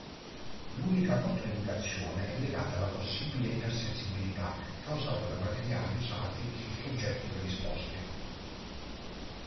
L'unica controindicazione è legata alla possibile ipersensibilità causata dai materiali usati su soggetti predisposti.